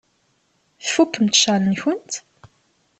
Tfukkemt ccɣel-nkent?